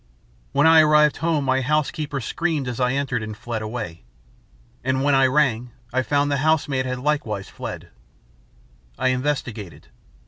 "When I arrived home, my housekeeper screamed as I entered, and fled away. And when I rang, I found the housemaid had likewise fled. I investigated.